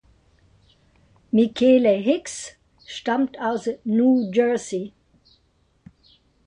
Michele Hicks stammt aus New Jersey.